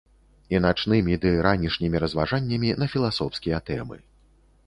І начнымі ды ранішнімі разважаннямі на філасофскія тэмы.